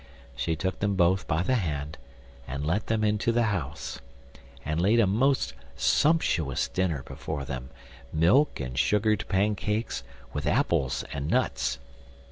She took them both by the hand and let them into the house, and laid a most sumptuous dinner before them milk and sugared pancakes, with apples and nuts.